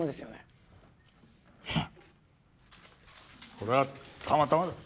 これはたまたまだ。